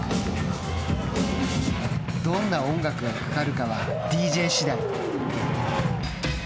どんな音楽がかかるかはＤＪ次第。